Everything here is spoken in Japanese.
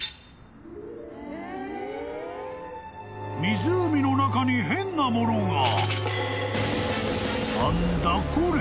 ［湖の中に変なものが］